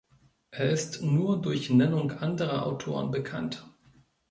Er ist nur durch Nennung anderer Autoren bekannt.